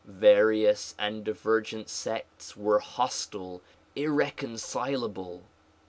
Various and divergent sects were hostile, irreconcilable.